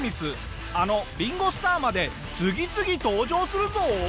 あのリンゴ・スターまで次々登場するぞ！